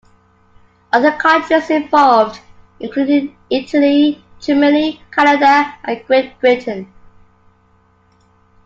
Other countries involved included Italy, Germany, Canada and Great Britain.